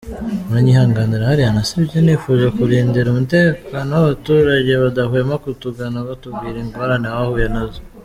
Muranyihanganira hariya nasibye nifuje kurindira umutekano abaturage badahwema kutugana batubwira ingorane bahuye nazo.